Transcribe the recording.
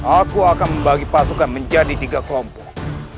aku akan membagi pasukan menjadi tiga kelompok